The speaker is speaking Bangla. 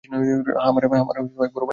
হা, আমার এক বড়ো ভাই আছে।